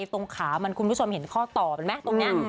ตรงขามันคุณผู้ชมเห็นข้อตอบไหม